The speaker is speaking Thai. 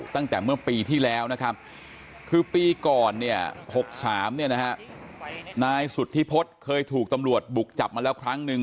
ตั้งแต่เมื่อปีที่แล้วนะครับคือปีก่อนเนี่ย๖๓นายสุธิพฤษเคยถูกตำรวจบุกจับมาแล้วครั้งนึง